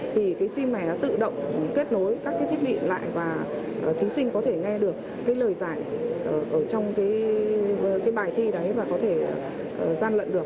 thì cái sim này nó tự động kết nối các cái thiết bị lại và thí sinh có thể nghe được cái lời giải ở trong cái bài thi đấy và có thể gian lận được